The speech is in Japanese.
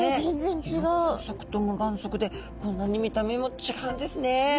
有眼側と無眼側でこんなに見た目も違うんですね。